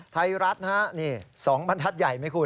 ไทยรัฐฯนะฮะเนี่ย๒บรรทัศน์ใหญ่มั้ยคุณ